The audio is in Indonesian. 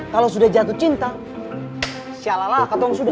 kalau sudah jatuh cinta sya lala katong sudah